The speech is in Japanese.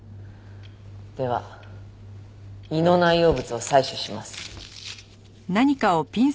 では胃の内容物を採取します。